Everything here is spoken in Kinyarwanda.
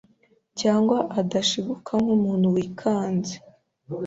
cyangwa adashiguka nkumuntu wikanze